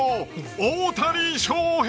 大谷翔平